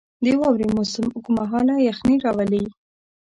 • د واورې موسم اوږد مهاله یخني راولي.